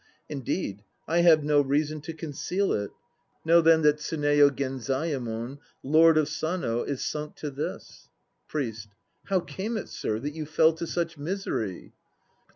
Indeed I have no reason to conceal it Know then that Tsuneyo Genzayemon, Lord of Sano, is sunk to this! PRIEST. How came it, sir, that you fell to such misery?